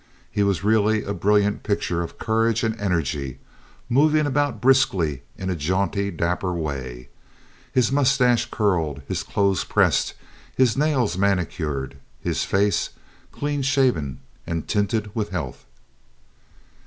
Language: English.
He was really a brilliant picture of courage and energy—moving about briskly in a jaunty, dapper way, his mustaches curled, his clothes pressed, his nails manicured, his face clean shaven and tinted with health.